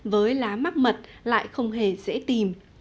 với lá mắc mật lại không hề dễ tìm